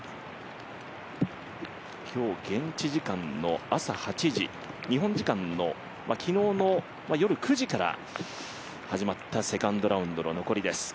今日現地時間の朝８時、日本時間の、昨日の夜９時から始まったセカンドラウンドの残りです。